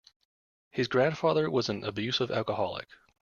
His grandfather was an abusive alcoholic.